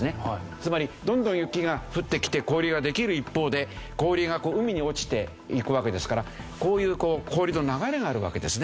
つまりどんどん雪が降ってきて氷ができる一方で氷が海に落ちていくわけですからこういう氷の流れがあるわけですね。